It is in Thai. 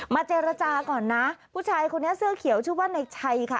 เจรจาก่อนนะผู้ชายคนนี้เสื้อเขียวชื่อว่าในชัยค่ะ